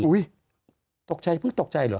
ตกใจเพิ่งตกใจเหรอ